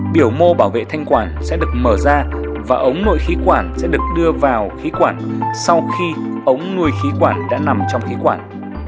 biểu mô bảo vệ thanh quản sẽ được mở ra và ống nội khí quản sẽ được đưa vào khí quản sau khi ống nuôi khí quản đã nằm trong khí quản